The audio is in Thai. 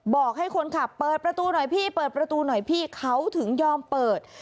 บอกให้คนขับเปิดประตูหน่อยพี่เปิดประตูหน่อยพี่เขาถึงยอมเปิด